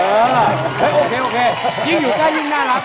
เออโอเคยิ่งอยู่ใกล้ยิ่งน่ารัก